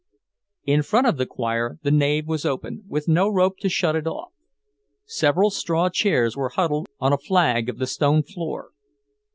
In front of the choir the nave was open, with no rope to shut it off. Several straw chairs were huddled on a flag of the stone floor.